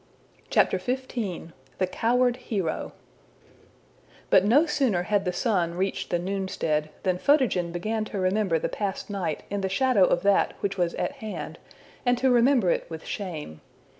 XV. The Coward Hero But no sooner had the sun reached the noonstead, than Photogen began to remember the past night in the shadow of that which was at hand, and to remember it with shame.